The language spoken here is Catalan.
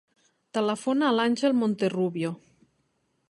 Telefona a l'Àngel Monterrubio.